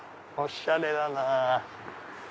おしゃれだな。